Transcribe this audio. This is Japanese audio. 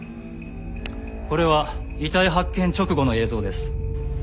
これは遺体発見直後の映像です。